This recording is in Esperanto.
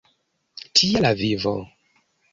Tia la vivo!